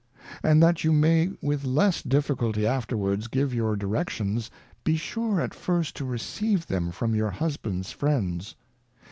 And that you may with less difficulty afterwards give your Directions, be sure at first to receive them from your Husband's Friends.